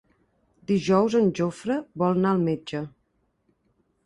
Dijous en Jofre vol anar al metge.